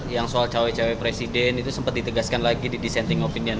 yang soal cawe cawe presiden itu sempat ditegaskan lagi di dissenting opinion